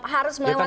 harus melewati tahap